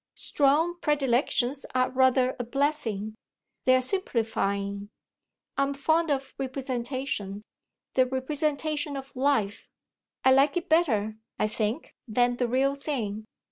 Strong predilections are rather a blessing; they're simplifying. I'm fond of representation the representation of life: I like it better, I think, than the real thing.